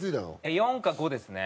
４か５ですね。